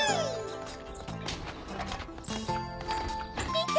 みて！